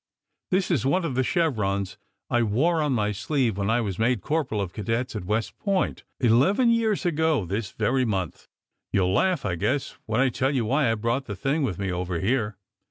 "This is one of the chevrons I wore on my sleeve when I was made corporal of cadets at West Point, eleven years ago this very month. You ll laugh, I guess, when I tell you why I brought the thing with me over here.